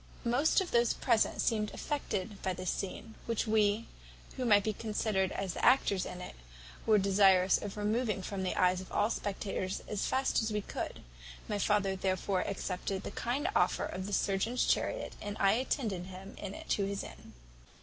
"Most of those present seemed affected by this scene, which we, who might be considered as the actors in it, were desirous of removing from the eyes of all spectators as fast as we could; my father therefore accepted the kind offer of the surgeon's chariot, and I attended him in it to his inn.